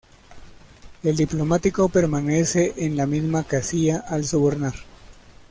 El diplomático permanece en la misma casilla al sobornar.